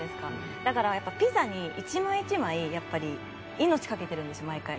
だからピザに１枚１枚やっぱり命懸けてるんですよ毎回。